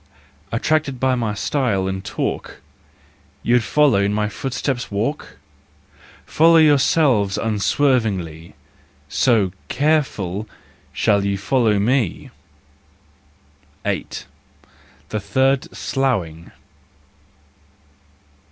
Attracted by my style and talk You'd follow, in my footsteps walk ? Follow yourself unswervingly, So—careful!—shall you follow me. JEST, RUSE AND REVENGE 8 . The Third Sloughing